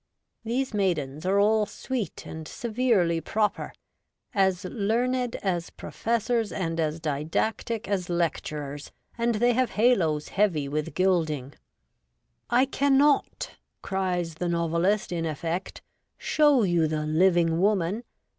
These maidens are all sweet and severely proper ; as learned as professors and as didactic as lecturers, and they have haloes heavy with gilding. ' I cannot,' cries the novelist, in effect, ' show you the living woman.